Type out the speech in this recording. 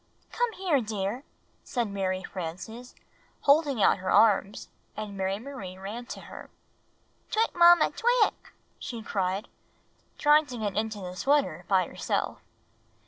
"Come here, dear," said Mary Frances, holding out her arms, and Mary Marie ran to her. "Twick, Mamma! Twick!" she cried, trying to get into the sweater by herself.